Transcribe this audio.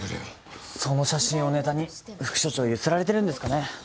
その写真をネタに副署長ゆするられてるんですかね？